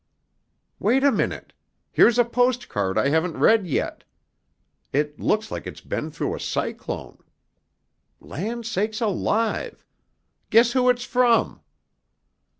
"Wait a minute. Here's a postcard I haven't read yet. It looks like it's been through a cyclone. Land sakes alive! Guess who it's from!"